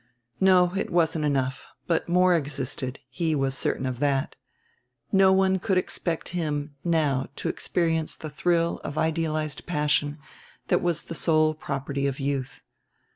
No, it wasn't enough; but more existed, he was certain of that. No one could expect him, now, to experience the thrill of idealized passion that was the sole property of youth.